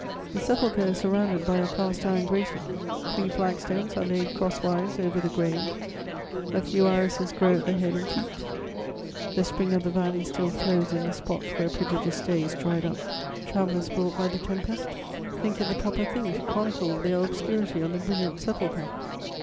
The sepulchre is surrounded by a cast iron grating; three flag stones are laid cross wise over the grave; a few irises grow at the head and feet; the spring of the valley still flows in the spot where prodigious days dried up. Travellers brought by the tempest think it the proper thing to chronicle their obscurity on the brilliant sepulchre.